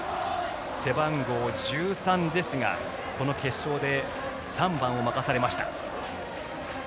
背番号１３ですが決勝で３番を任されました。